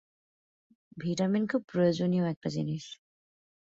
Vitamin খুব প্রয়োজনীয় একটা জিনিস।